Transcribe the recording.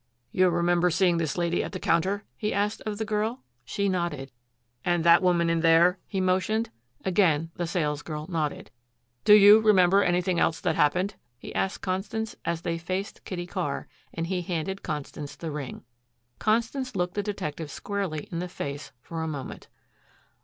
"You remember seeing this lady at the counter?" he asked of the girl. She nodded. "And that woman in there?" he motioned. Again the salesgirl nodded. "Do you remember anything else that happened?" he asked Constance as they faced Kitty Carr and he handed Constance the ring. Constance looked the detective squarely in the face for a moment.